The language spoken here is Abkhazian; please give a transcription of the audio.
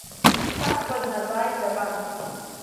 Цасҳәашәа днаҵааит Закан.